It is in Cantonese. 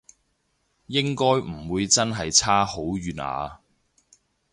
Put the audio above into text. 應該唔會真係差好遠啊？